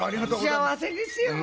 幸せですよ。